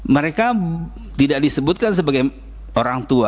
mereka tidak disebutkan sebagai orang tua